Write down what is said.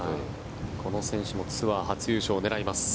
この選手もツアー初優勝を狙います。